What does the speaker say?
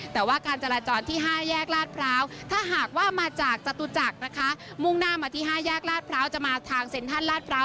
แต่ว่าการจราจรที่๕แยกลาดพร้าวถ้าหากว่ามาจากจตุจักรนะคะมุ่งหน้ามาที่๕แยกลาดพร้าวจะมาทางเซ็นทรัลลาดพร้าว